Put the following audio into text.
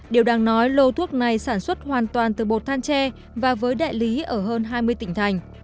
điều đáng nói lô thuốc này sản xuất hoàn toàn từ bột than tre và với đại lý ở hơn hai mươi tỉnh thành